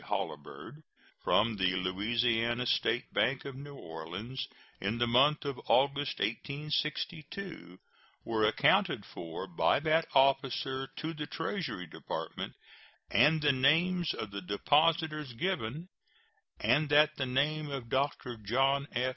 Holabird from the Louisiana State Bank of New Orleans in the month of August, 1862, were accounted for by that officer to the Treasury Department, and the names of the depositors given, and that the name of Dr. John F.